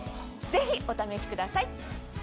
ぜひお試しください。